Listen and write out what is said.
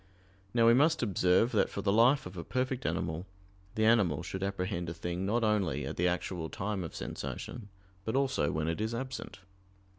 Now we must observe that for the life of a perfect animal, the animal should apprehend a thing not only at the actual time of sensation, but also when it is absent.